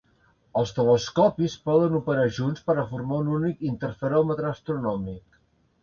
Els telescopis poden operar junts per a formar un únic interferòmetre astronòmic.